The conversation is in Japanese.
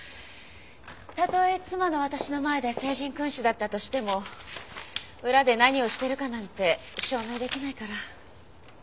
たとえ妻の私の前で聖人君子だったとしても裏で何をしてるかなんて証明できないから。